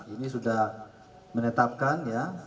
ini sudah menetapkan ya